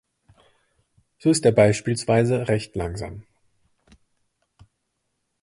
So ist er beispielsweise recht langsam.